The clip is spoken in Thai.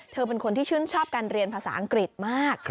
เธอเป็นคนที่ชื่นชอบการเรียนภาษาอังกฤษมาก